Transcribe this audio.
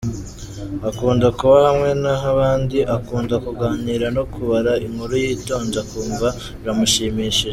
Akunda kuba hamwe n’abandi, akunda kuganira no kubara inkuru yitonze akumva biramushimishije.